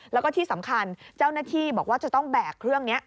แล้วก็ที่สำคัญเจ้าหน้าที่บอกว่าจะต้องแบกเครื่องนี้